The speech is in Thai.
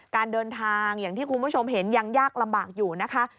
การเดินทางอย่างที่คุณผู้ชมเห็นยังยากลำบากอยู่นะคะ